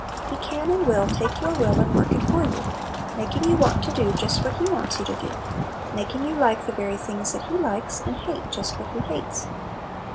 He can and will "take your will, and work it for you"; making you want to do just what He wants you to do; making you like the very things that He likes, and hate just what He hates.